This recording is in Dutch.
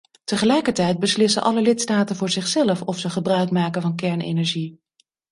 Tegelijkertijd beslissen alle lidstaten voor zichzelf of ze gebruik maken van kernenergie.